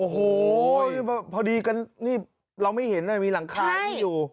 โอ้โหพอดีกันนี่เราไม่เห็นมีหลังคานี้อยู่